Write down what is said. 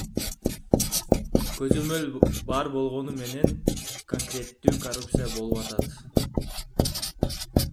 Көзөмөл бар болгону менен конкреттүү коррупция болуп атат.